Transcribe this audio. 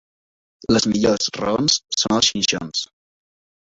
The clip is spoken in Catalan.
Les millors raons són els xinxons.